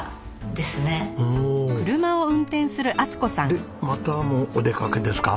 でまたもお出かけですか？